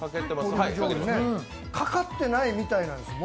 かかってないみたいなんですね